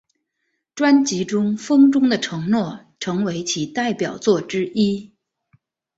专辑中风中的承诺成为其代表作之一。